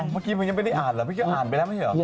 เมื่อกี้มันยังไม่ได้อ่านเหรอพี่ก็อ่านไปแล้วไม่ใช่เหรอ